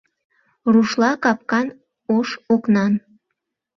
Рушла капкан, ош окнан.